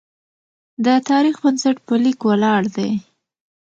د تاریخ بنسټ په لیک ولاړ دی.